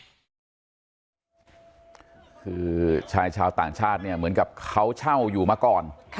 คือชายชาวต่างชาติเนี่ยเหมือนกับเขาเช่าอยู่มาก่อน